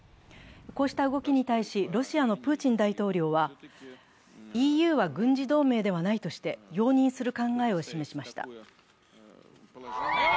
こうした動きに対しロシアのプーチン大統領は、ＥＵは軍事同盟ではないとして容認する考えを示しました。